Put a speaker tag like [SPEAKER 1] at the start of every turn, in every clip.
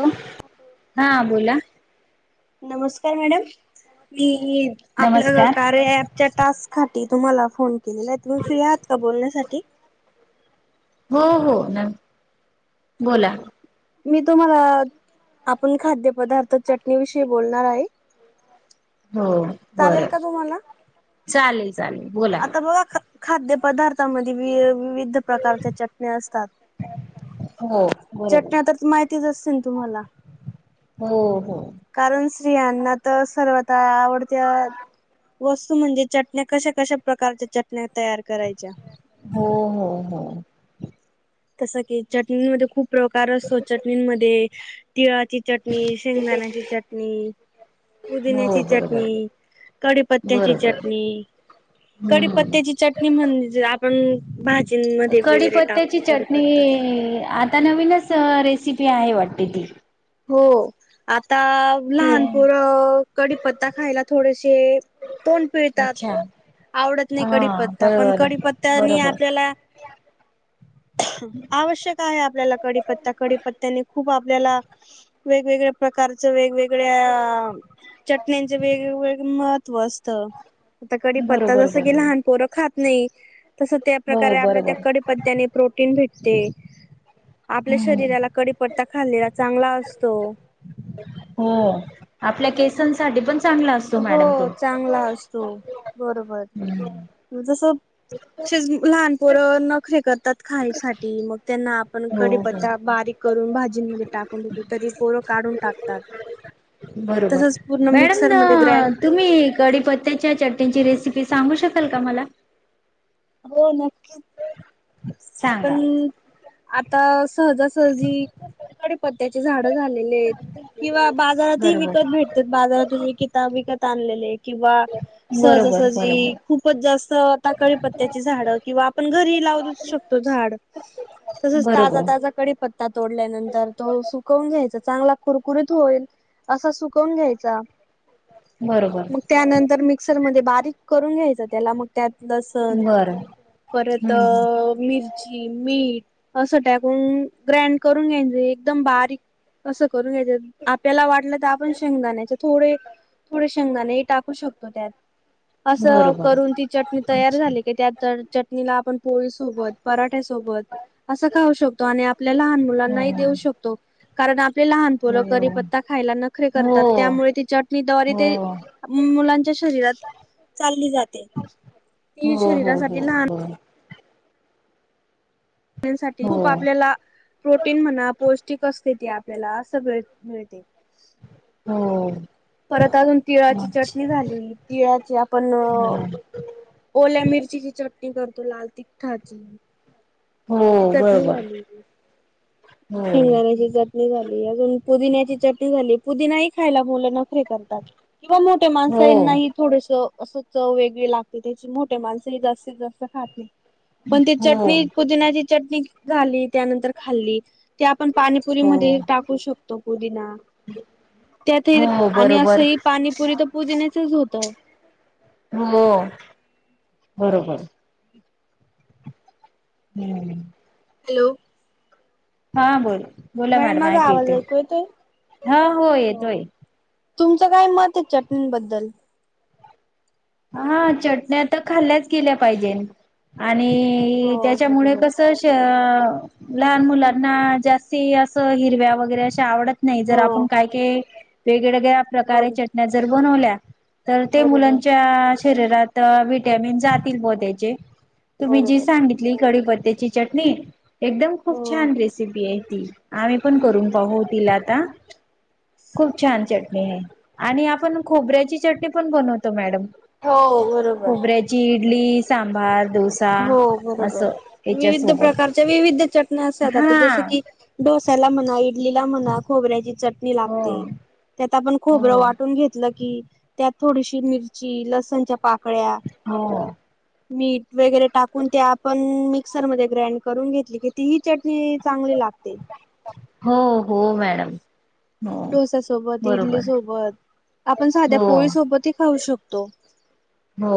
[SPEAKER 1] हॅो [unintelligible] हा बोला,
[SPEAKER 2] नमस्कार मॅडम मी आपलं
[SPEAKER 1] नमस्कार
[SPEAKER 2] कार्य अँपच्या टास्क खाती तुम्हाला फोन केलेला आहे. तुम्ही फ्री आहात का बोलण्यासाठी,
[SPEAKER 1] हो हो ना बोला
[SPEAKER 2] मी तुम्हाला आपण खाद्यपदार्थ चटणी विषयी बोलणार आहे.
[SPEAKER 1] हो बर
[SPEAKER 2] चालेल का तुम्हाला
[SPEAKER 1] चालेल चालेल बोला
[SPEAKER 2] आता बघा खाद्य पदार्थामध्ये बी, विविध प्रकारच्या चटण्या असतात
[SPEAKER 1] हो
[SPEAKER 2] च [unintelligible]
[SPEAKER 1] बरोबर
[SPEAKER 2] माहितीच असेल तुमला [unintelligible]
[SPEAKER 1] हो हो
[SPEAKER 2] कारण स्त्रियाना तर सर्वात आवडत्या, वस्तू म्हणजे चटण्या कशा कशा प्रकारच्या चटण्या, तयार करायच्या
[SPEAKER 1] हो हो हो
[SPEAKER 2] तसं की चटणींमध्ये खूप प्रकार असतो चटणींन मध्ये, तिळाची चटणी, शेंगदाण्याची चटणी,
[SPEAKER 1] हो
[SPEAKER 2] पुदिन्याची
[SPEAKER 1] बरोबर
[SPEAKER 2] चटणी, कडीपत्त्याची
[SPEAKER 1] बरोबर
[SPEAKER 2] चटणी, कडीपत्त्याची
[SPEAKER 1] हम्म
[SPEAKER 2] चटणी म्हणजे आपण भाजीनमध्ये वगैरे टाकतो.
[SPEAKER 1] ची
[SPEAKER 2] कडीपत्ता
[SPEAKER 1] चटणी आता नवीनच रेसिपी आहे वाटते ती
[SPEAKER 2] हो आता
[SPEAKER 1] ते
[SPEAKER 2] लहानपोर कडीपत्ता खायला थोडेशे, तोंड पिळितात,
[SPEAKER 1] अच्छा
[SPEAKER 2] आवडत नाही
[SPEAKER 1] हा
[SPEAKER 2] कडीपत्ता पण
[SPEAKER 1] बरोबर
[SPEAKER 2] कडीपत्तानी
[SPEAKER 1] बरोबर
[SPEAKER 2] आपल्याला, आवश्यक आहे. आपल्याला कडीपत्ता कडीपत्त्याने खूप आपल्याला. वेगवेगळ्या प्रकारचं वेगवेगळ्या चटण्यांच वेगवेगळे महत्त्व असत. आता कडी पत्ता
[SPEAKER 1] बरोबर
[SPEAKER 2] जस कि
[SPEAKER 1] बरोबर
[SPEAKER 2] लहान पोरं खात नाही. तसं त्या
[SPEAKER 1] हो
[SPEAKER 2] प्रकारे आपल्या त्या
[SPEAKER 1] बरोबर
[SPEAKER 2] कडे पत्त्याने प्रोटीन भेटते. आपल्या
[SPEAKER 1] हम्म
[SPEAKER 2] शरीराला कडीपत्ता खाल्लेला चांगला असतो.
[SPEAKER 1] हो आपल्या केसांससाठी पण, चांगला असतो
[SPEAKER 2] हो
[SPEAKER 1] मॅडम तो.
[SPEAKER 2] चांगला असतो बरोबर जस तच लहानपोर नखरे करतात खायसाठी मग त्यांना, पण
[SPEAKER 1] हो हो
[SPEAKER 2] कडीपत्ता बारीक करून, भाजींमध्ये टाकून देतो तरी पोरं काढून टाकतात.
[SPEAKER 1] बरोबर
[SPEAKER 2] तसच पूर्ण
[SPEAKER 1] मॅडम
[SPEAKER 2] मिक्सर मध्ये ग्रँड
[SPEAKER 1] तुम्ही कडीपत्त्याच्या चटणीची, रेसिपी सांगू शकाल का मला!
[SPEAKER 2] हो नक्कीच आपण
[SPEAKER 1] सांगा.
[SPEAKER 2] आता सहजासहजी खूप कडी पत्त्याचे झाड झालेले आहेत. किंवा बाजारातही
[SPEAKER 1] बरोबर
[SPEAKER 2] विकत भेटतात बाजारातून विकता विकत आणलेले किंवा.
[SPEAKER 1] बरोबर
[SPEAKER 2] सहजासहजी
[SPEAKER 1] बरोबर
[SPEAKER 2] खूपच जास्त ताकळी पत्त्याची झाडं किंवा आपण घरी लाव शकतो. झाड तसंच
[SPEAKER 1] बरोबर
[SPEAKER 2] ताजा ताजा कडीपत्ता तोडल्यानंतर तो सखून घायचा असं तो, चांगला कुरकुरीत होईल असा सुकवून घ्यायचा
[SPEAKER 1] बरोबर.
[SPEAKER 2] मग त्यानंतर मिक्सरमध्ये बारीक करून घ्यायच त्याला मग त्या, लसन
[SPEAKER 1] बरं
[SPEAKER 2] परत
[SPEAKER 1] हम्म
[SPEAKER 2] मिरची मीठ असं टाकून ग्रॅण्ड करून घ्यायच एकदम बारीक, असं करून घ्याच आपल्याला वाट, केले तर आपण शेंगदाण्याचे थोडे थोडे शेंगदाणे ही टाकू शकतो त्यात. अस
[SPEAKER 1] बरोबर
[SPEAKER 2] करून ती चटणी तयार झाली की त्या त चटणीला आपण पोळी... सोबत पराठ्या सोबत अस खाऊ शकतो आणि आपल्या लहान
[SPEAKER 1] हो.
[SPEAKER 2] मुलांनाही देऊ शकतो कारण आपले लहान
[SPEAKER 1] हो
[SPEAKER 2] पोरं करीपत्ता खायला नखरे करतात
[SPEAKER 1] हो
[SPEAKER 2] त्यामुळे ती चटणी द्वारे ते....
[SPEAKER 1] हो.
[SPEAKER 2] अं म मुलांच्या शरीरात चालली जाते ती
[SPEAKER 1] हो हो हो
[SPEAKER 2] शरीरासाठी लहान...
[SPEAKER 1] बर
[SPEAKER 2] आपल्यासाठी
[SPEAKER 1] हो
[SPEAKER 2] खूप आपल्याला प्रोटीन म्हणा पौष्टिक असते आत.... आपल्याला असं मिळ मिळते....
[SPEAKER 1] हो.....
[SPEAKER 2] परत अजून तिळाची चटणी
[SPEAKER 1] अच्छा
[SPEAKER 2] झाली तिळाची आपण अ... ओल्या मिरचीची चटणी करतो लाल तिखटाची....
[SPEAKER 1] हो
[SPEAKER 2] ती
[SPEAKER 1] हो
[SPEAKER 2] चटणी
[SPEAKER 1] बरोबर
[SPEAKER 2] झाली
[SPEAKER 1] हो.
[SPEAKER 2] शिंगदाण्याची चटणी झाली अजून... पुदिन्याची चटणी झाली पुदिनाही खायला मुलं नखरे... किंवा मोठ्या
[SPEAKER 1] हो
[SPEAKER 2] माणसाना ही थोडस असं चव वेगळी लागते त्याची मोठे माणस ही जास्तीत जास्त खातील... पण ते
[SPEAKER 1] हो
[SPEAKER 2] चटणी पुदण्याची चटणी झाली त्या नंतर खाल्ली ते आपण.. पाणीपुरी
[SPEAKER 1] हो
[SPEAKER 2] मध्ये ही टाकू शकतो पुदीना... त्यात ही
[SPEAKER 1] हो
[SPEAKER 2] आणि असं
[SPEAKER 1] बरोबर
[SPEAKER 2] ही पाणीपुरी तर पुदिन्याच् च होत...
[SPEAKER 1] हो..... बरोबर... हम्म.....
[SPEAKER 2] हॅलो...
[SPEAKER 1] हा बोल बोला मॅडम
[SPEAKER 2] माझा
[SPEAKER 1] ऐकू
[SPEAKER 2] आवाज
[SPEAKER 1] येते
[SPEAKER 2] येतोय?
[SPEAKER 1] हा हो येतोय.
[SPEAKER 2] तुमचं काय मत आहे चटणीं बद्दल?
[SPEAKER 1] हा चटण्या तर खाल्ल्याच गेल्या पाहिजे आता.. आणि ई
[SPEAKER 2] हो
[SPEAKER 1] त्याच्यामुळे
[SPEAKER 2] बरोबर
[SPEAKER 1] कसं श्या... लहान मुलांना जास्ती अस हिरव्या वगैरे अशा आवडत... नाही जर
[SPEAKER 2] हो
[SPEAKER 1] आपण काय केले वेग-वेगळ्या प्रकारे
[SPEAKER 2] बर
[SPEAKER 1] चटण्या जर बनवल्या... तर ते
[SPEAKER 2] बरोबर
[SPEAKER 1] मुलांच्या च्या शरीरात व्हीट्यामीन.. व्हीट्यामीन जातील बॉ त्या्चे तुम्ही जी
[SPEAKER 2] बरोबर
[SPEAKER 1] सांगितली कढीपत्तत्या ची चटणी... एकदम खूप
[SPEAKER 2] हो
[SPEAKER 1] छान रेसिपी आहे ती आम्ही पण करून पाहू तिला आता... खूप छान चटणी आहे आणि आपण खोबऱ्याची चटणी पण बनवतो मॅडम...
[SPEAKER 2] हो बरोबर...
[SPEAKER 1] खोबऱ्याची इडली सांबार... डोसा
[SPEAKER 2] हो बरोबर
[SPEAKER 1] असं
[SPEAKER 2] विविध
[SPEAKER 1] याच्यासोबत
[SPEAKER 2] प्रकारच्या विविध चटण्या असतात आता
[SPEAKER 1] हा
[SPEAKER 2] जस की डोसा.. डोसा ला म्हणा इडली ला म्हणा खोबऱ्याची चटणी
[SPEAKER 1] हो
[SPEAKER 2] लागते त्यात आपण
[SPEAKER 1] हो
[SPEAKER 2] खोबरं वाटून घेतल... तीळ त्यात थोडीशी मिरची लसणच्या पाकळ्या...
[SPEAKER 1] हो..
[SPEAKER 2] मीठ वगैरे टाकून ते आपण मिक्सर मध्ये ग्राइंड करून घेतली की तीही चटणी चांगली लागते...
[SPEAKER 1] हो हो मॅडम.. हो
[SPEAKER 2] डोसा सोबत इडली
[SPEAKER 1] बरोबर
[SPEAKER 2] सोबत... आपण साध्या
[SPEAKER 1] हो
[SPEAKER 2] पोळी सोबत ही खाऊ शकतो.
[SPEAKER 1] हो...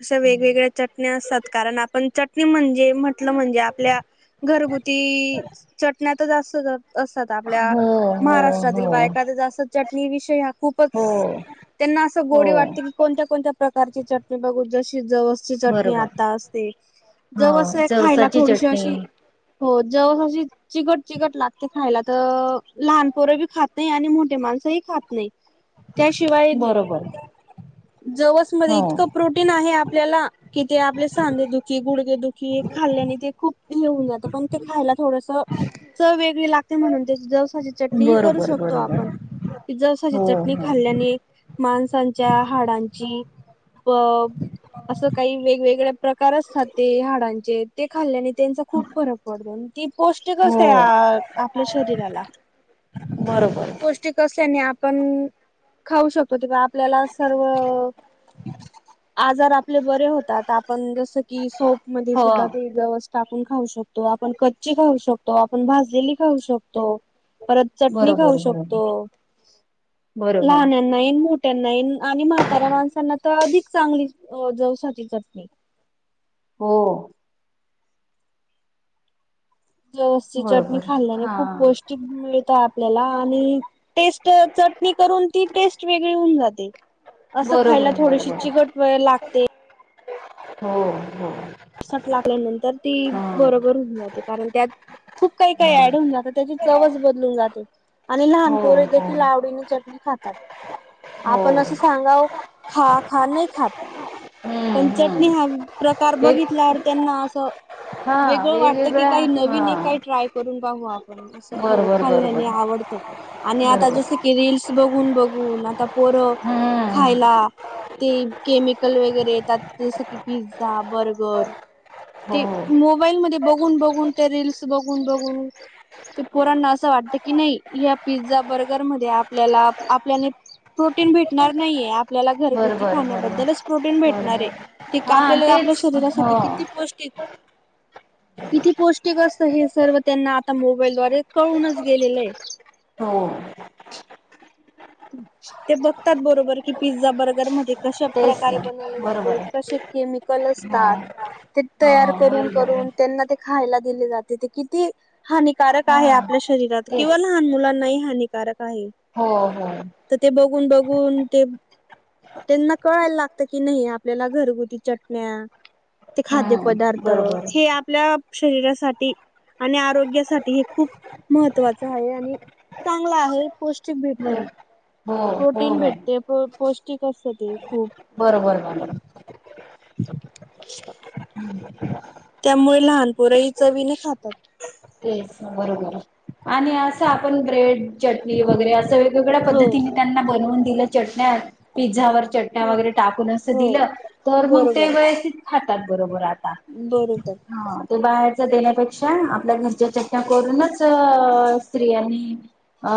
[SPEAKER 2] अशा वेग वेगळ्या चटण्या असतात कारण आपण चटणी म्हणजे म्हटल म्हणजे आपल्या घरगुती चटण्या तर असतात ताच... असत आपल्या
[SPEAKER 1] हो हो
[SPEAKER 2] महाराष्ट्रातील
[SPEAKER 1] हो
[SPEAKER 2] बायका तर जास्त चटणी विषय हा
[SPEAKER 1] हो
[SPEAKER 2] खूपच... त्यांना असं
[SPEAKER 1] हो
[SPEAKER 2] गोडी वाटते की कोणत्या कोणत्या प्रकारची चटणी बघू जशी.. जवस ची चटणी
[SPEAKER 1] बरोबर
[SPEAKER 2] आता असते
[SPEAKER 1] हो
[SPEAKER 2] जवस हे खायला
[SPEAKER 1] जवसाची
[SPEAKER 2] थोडीशी
[SPEAKER 1] चटणी
[SPEAKER 2] अशी... हो जवस अशी चिकट चिकट लागते खायला तर लहानपोर बी खात नाही आणि मोठे माणस... मानस ही खात नाही त्या शिवाय
[SPEAKER 1] बरोबर
[SPEAKER 2] जवस मध्ये
[SPEAKER 1] हो
[SPEAKER 2] इतक.... पौष्टिक आहे आपल्याला कि ते आपले सांधे दुखी गुडगे दुखी खाल्ल्याने ते खूप... मिळून जात पण ते खायला थोडस चव वेगळी लागते म्हणून जरास... चट करू
[SPEAKER 1] बरोबर
[SPEAKER 2] शकतो
[SPEAKER 1] बरोबर
[SPEAKER 2] आपण जसा
[SPEAKER 1] हो
[SPEAKER 2] चटणी
[SPEAKER 1] हो
[SPEAKER 2] खाल्ल्याने मा त्यांच्या हाडांची अ असं काही वेगवेगळे्या प्रकार असतात ते हाडांचे ते खाल्ल्याने त्यांचा खूप फरक पडतो ती पौष्टिक
[SPEAKER 1] हो
[SPEAKER 2] असते आपल्या शरीराला
[SPEAKER 1] बरोबर
[SPEAKER 2] ती पौष्टिक असल्याने आपण खाऊ शकतो. ते आपल्याला सर्व आजार आपले बरे होतात आपण जस की सोप म
[SPEAKER 1] हो
[SPEAKER 2] सुद्धा ते ववस् टाक खाऊ शकतो कच्ची खाऊ शकतो आपण भाजलेली खाऊ शकतो. परत चटणी खाऊ
[SPEAKER 1] बरोबर बरोबर
[SPEAKER 2] शकतो
[SPEAKER 1] बरोबर
[SPEAKER 2] लहनांना मोठ त्यांना आणि म्हातारा माणसांना तर अधिक चांगली जवसाची चटणी त्या
[SPEAKER 1] हो.
[SPEAKER 2] जवसची चटणी
[SPEAKER 1] बरोबर
[SPEAKER 2] खाल्ल्याने
[SPEAKER 1] हा
[SPEAKER 2] खूप पौष्टी मिळत आपल्याला आणि टेस्ट तर ून ती टेस्ट वेगळी होऊन जाते असं खायला
[SPEAKER 1] बरोबर
[SPEAKER 2] थोडीशी
[SPEAKER 1] बरोबर
[SPEAKER 2] चिकट वेळ लागते.
[SPEAKER 1] हो हो
[SPEAKER 2] लागल्यानंतर ती
[SPEAKER 1] हा
[SPEAKER 2] बरोबर होऊन जाते कारण त्यात खूप काही काही
[SPEAKER 1] हा
[SPEAKER 2] ऍड होऊन जातात त्याची चवच बदलून जाते आणि लहान
[SPEAKER 1] हो
[SPEAKER 2] पोर
[SPEAKER 1] हो
[SPEAKER 2] देखील आवडीने चटणी खातात.
[SPEAKER 1] हो
[SPEAKER 2] आपण असं सांगा खा खा नाही खात.
[SPEAKER 1] हम्म
[SPEAKER 2] पण चटणी
[SPEAKER 1] हम्म
[SPEAKER 2] हा प्रकार
[SPEAKER 1] एक
[SPEAKER 2] बघितल्यावर त्यांना असं
[SPEAKER 1] हा
[SPEAKER 2] वेगळं वाटत की
[SPEAKER 1] वेगवेगळ्या
[SPEAKER 2] काही
[SPEAKER 1] हा
[SPEAKER 2] नवीन हे काही ट्राय करून पाहू आपण असं हो
[SPEAKER 1] बरोबर बरोबर
[SPEAKER 2] खाल्ल्याने आवडतं. आणि आता जस
[SPEAKER 1] बरोबर
[SPEAKER 2] की रीलस बघून बघून आता पोरं
[SPEAKER 1] हम्म
[SPEAKER 2] खायला ते केमिकल वगैरे येतात जसं की पिझ्झा बर्गर
[SPEAKER 1] हो
[SPEAKER 2] ते मोबाईल मध्ये बघून बघून ते रीलस बघून बघून ते पोरांना असं वाटत की नाही या पिझ्झा बर्गर मध्ये आपल्याला आपल्याने प्रोटीन भेटणार नाहीे त्याला घरगुती
[SPEAKER 1] बरोबर बरोबर
[SPEAKER 2] खाण्याबद्दलच प्रोटीन भेटणारे
[SPEAKER 1] बरोबर
[SPEAKER 2] तिथ
[SPEAKER 1] हा
[SPEAKER 2] आपल्याला आपल्या
[SPEAKER 1] तेच
[SPEAKER 2] शरीर
[SPEAKER 1] हो
[SPEAKER 2] साठी किती पौष्टिक किती पौष्टिक असत हे सर्व त्यांना आता मोबाईलद्वारे कळूनच गेलेलंये.
[SPEAKER 1] हो
[SPEAKER 2] ते बघतात बरोबर कि पिझ्झा बर्गर मध्ये कशा
[SPEAKER 1] तेच
[SPEAKER 2] प्रकारे
[SPEAKER 1] ना
[SPEAKER 2] बनवले
[SPEAKER 1] बरोबर
[SPEAKER 2] जाते
[SPEAKER 1] आहे
[SPEAKER 2] कसे केमिकल
[SPEAKER 1] हा
[SPEAKER 2] असतात ते
[SPEAKER 1] हा
[SPEAKER 2] तयार करून
[SPEAKER 1] बरोबर आहे
[SPEAKER 2] करून त्यांना ते खायला दिले जाते ते किती हानिकारक आहे आपल्या
[SPEAKER 1] हा
[SPEAKER 2] शरीरात किंवा
[SPEAKER 1] तेच
[SPEAKER 2] लहान मुलांना हानिकारक आहे
[SPEAKER 1] हो हो.
[SPEAKER 2] तर ते बघून बघून ते त्यांना कळायला लागत की नाही आपल्याला घरगुती चटण्या ते खाद्य
[SPEAKER 1] हम्म
[SPEAKER 2] पदार्थ
[SPEAKER 1] बरोबर
[SPEAKER 2] हे आपल्या शरीरासाठी आणि आरोग्यासाठी हे खूप महत्त्वाच आहे आणि चांगला आहे पौष्टिक भेट
[SPEAKER 1] बर हो हो
[SPEAKER 2] प्रोटीन
[SPEAKER 1] मॅम
[SPEAKER 2] भेटते पौष्टिक असत ते खूप
[SPEAKER 1] बरोबर मॅडम.
[SPEAKER 2] [unintelligible] त्यामुळे लहानपोरही चवीने खातात.
[SPEAKER 1] तेच बरोबर आणि असं आपण ब्रेड चटणी वगैरे असं वेगवेगळ्या
[SPEAKER 2] हो.
[SPEAKER 1] पद्धतीनी त्यांना बनवून दिलं चटण्या पिझ्झावर चट्ट्या
[SPEAKER 2] हो
[SPEAKER 1] वगैरे टाकून अस
[SPEAKER 2] हो
[SPEAKER 1] दिलं तर मग ते
[SPEAKER 2] बरोबर
[SPEAKER 1] व्यवस्थित खातात बरोबर आता
[SPEAKER 2] बरोबर.
[SPEAKER 1] हा ते बाहेरचा देण्यापेक्षा आपल्या घरच्या चट त्या करूनच अअ स्त्रियांनी अ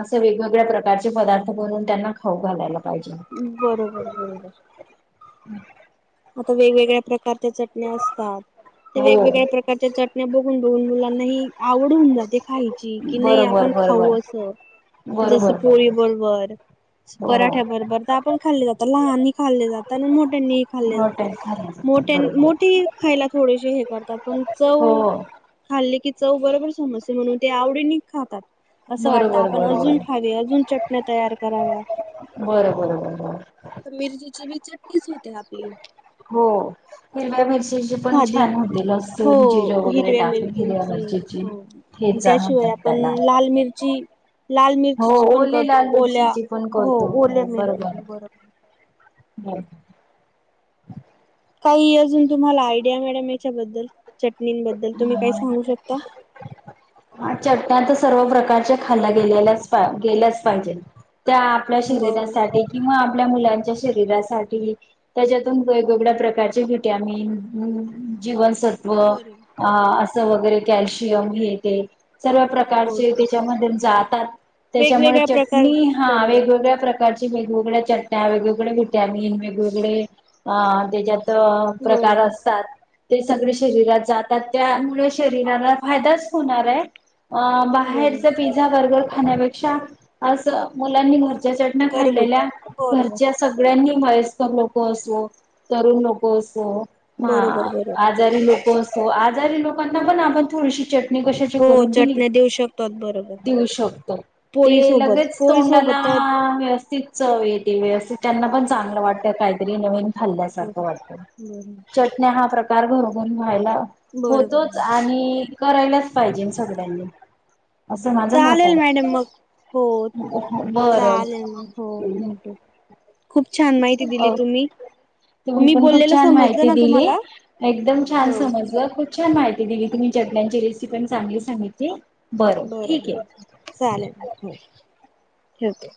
[SPEAKER 1] असं वेगवेगळ्या प्रकारचे पदार्थ बनून त्यांना खाऊ घालायलात
[SPEAKER 2] बरोबर बरोबर. आता वेगवेगळ्या प्रकारच्या चटण्या असतात ते
[SPEAKER 1] हो
[SPEAKER 2] वेगवेगळ्या प्रकारच्या चट बघून बघून मुलांना हीआवड होऊन जाते काही की नाही
[SPEAKER 1] बरोबर
[SPEAKER 2] आपण खाऊ
[SPEAKER 1] बरोबर
[SPEAKER 2] अस ते जस पोळी बरोबर
[SPEAKER 1] हो
[SPEAKER 2] पराठ्या बरोबर तर पण खाल्ली जातात लहान खाल्ले जात आणि मोठ्यांनी खाल्ले जातात
[SPEAKER 1] हॉटेल खाली जातात
[SPEAKER 2] मोठ्यांनी
[SPEAKER 1] बरोबर
[SPEAKER 2] मोठे खायला थोडेसे हे करतात पण
[SPEAKER 1] हो
[SPEAKER 2] चव खाल्ले की चव बरोबर समजते म्हणून ते आवडीने खातात असं वाटत
[SPEAKER 1] बरोबर
[SPEAKER 2] आपण अजून
[SPEAKER 1] बरोबर
[SPEAKER 2] खावी अजून चटण्या तयार कराव्या
[SPEAKER 1] बर बर बर बर
[SPEAKER 2] चट्टीच होते आपली
[SPEAKER 1] हो हिरव्या मिरचीचे पण
[SPEAKER 2] साधी
[SPEAKER 1] छान होते
[SPEAKER 2] हो
[SPEAKER 1] लसण जिर वगैरे
[SPEAKER 2] हिरव्या
[SPEAKER 1] टाकून दिल्यावर
[SPEAKER 2] मिरचींची
[SPEAKER 1] ज
[SPEAKER 2] हो.
[SPEAKER 1] [unintelligible]
[SPEAKER 2] आणि
[SPEAKER 1] ठेचा
[SPEAKER 2] त्याशिवाय
[SPEAKER 1] म्हणतात
[SPEAKER 2] आपण
[SPEAKER 1] त्याला
[SPEAKER 2] लाल मिरची लाल
[SPEAKER 1] हो
[SPEAKER 2] मिरचीची पण
[SPEAKER 1] ओली
[SPEAKER 2] करतो
[SPEAKER 1] लाल
[SPEAKER 2] ओल्या
[SPEAKER 1] मिरचीची पण करतो
[SPEAKER 2] ओल्या
[SPEAKER 1] हो बरोबर
[SPEAKER 2] मिरची बरोबर.
[SPEAKER 1] हम [unintelligible]
[SPEAKER 2] काही अजून तुम्हाला आयडिया मॅडम याच्याबद्दल चटणींबद्दल तुम्ही काय
[SPEAKER 1] हो
[SPEAKER 2] सांगू शकता
[SPEAKER 1] हा चटण्या [unintelligible] तर सर्व प्रकारच्या खाल्ल्या गेलेल्याच गेल्याच पाहिजे त्या आपल्या
[SPEAKER 2] बरोबर.
[SPEAKER 1] शरीरासाठी किंवा आपल्या मुलांच्या त्या व ज [unintelligible] सत्व
[SPEAKER 2] बरोबर.
[SPEAKER 1] अस वगैरे कल्शियम हे ते सर्व
[SPEAKER 2] हो
[SPEAKER 1] प्रकारचे त्याच्यामधील जातात त्याच्यामुळे
[SPEAKER 2] वेगवेगळ्या प्रकार
[SPEAKER 1] चटणी हा
[SPEAKER 2] बरोबर
[SPEAKER 1] वेगवेगळ्या प्रकार वेगवेगळ्या चटण्या वेगवेगळे विट्यामिन वेगवेगळे त्याच्यात प्रकार
[SPEAKER 2] बरोबर
[SPEAKER 1] असतात ते सगळे शरीरात जातात त्यामुळे शरीराला फायदाच होणार राय अ
[SPEAKER 2] बरोबर.
[SPEAKER 1] बाहेरच पिझ्झा बर्गर खाण्यापेक्षा असं मुलांनी घर चटन्या
[SPEAKER 2] घरगुती
[SPEAKER 1] खाल्लेल्या
[SPEAKER 2] बरोबर
[SPEAKER 1] घरच्या सगळ्यांनी लोक असो तरुण लोक असो ह
[SPEAKER 2] बरोबर
[SPEAKER 1] [unintelligible]
[SPEAKER 2] बरोबर
[SPEAKER 1] आजारी लोक असो आजारी लोकांना पण आपण थोडीशी चटणी कशी
[SPEAKER 2] हो
[SPEAKER 1] करून दिली
[SPEAKER 2] चटण्या देऊ शकतात बरोबर
[SPEAKER 1] देऊ शकतो ते
[SPEAKER 2] पोळी सोबत
[SPEAKER 1] लगेच
[SPEAKER 2] पोळी
[SPEAKER 1] तोंडाला
[SPEAKER 2] सोबत तर
[SPEAKER 1] व्यवस्थित चव येते व्यस्थित त्यांना पण
[SPEAKER 2] बरोबर
[SPEAKER 1] चागलं वाटत
[SPEAKER 2] बरोबर
[SPEAKER 1] काहीतर नवीन खाल्या सारक वाटतं
[SPEAKER 2] बर
[SPEAKER 1] चटण्या हा प्रका घरोघ [unintelligible] व्हायला
[SPEAKER 2] बर बरोबर
[SPEAKER 1] होतोच आणि करायलाच
[SPEAKER 2] हो
[SPEAKER 1] पाहिजे सगळ्यांनी असं माझं मत
[SPEAKER 2] चालेल
[SPEAKER 1] आहे
[SPEAKER 2] मॅडम मग हो
[SPEAKER 1] बरं
[SPEAKER 2] चालेल मग हो म्हणतो खूप छान माहिती दिली
[SPEAKER 1] हो
[SPEAKER 2] तुम्ही
[SPEAKER 1] तुम्ही
[SPEAKER 2] मी
[SPEAKER 1] पण खूप
[SPEAKER 2] बोललेलं
[SPEAKER 1] छान
[SPEAKER 2] समजलं
[SPEAKER 1] माहिती
[SPEAKER 2] ना
[SPEAKER 1] दिली
[SPEAKER 2] तुम्हाला
[SPEAKER 1] एकदम छान
[SPEAKER 2] हो
[SPEAKER 1] समजलं खूप छान माहिती दिली तुम्ही चटण्याची रेसि पण चांगली सांगित
[SPEAKER 2] बर बर चालेल हो ठेवते